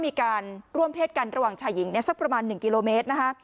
มีการร่วมเพศกันระหว่างชายหญิงสักประมาณ๑กิโลเมตรนะคะ